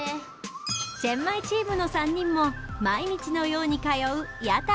チェンマイチームの３人も毎日のように通う屋台。